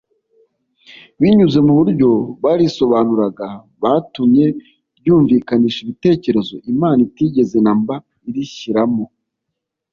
binyuze mu buryo barisobanuraga, batumye ryumvikanisha ibitekerezo imana itigeze na mba irishyiramo